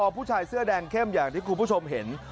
ผู้ชายเสื้อแดงเข้มอย่างที่คุณผู้ชมเห็น